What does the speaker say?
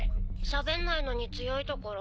しゃべんないのに強いところ。